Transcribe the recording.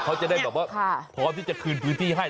เขาจะได้แบบว่าพร้อมที่จะคืนพื้นที่ให้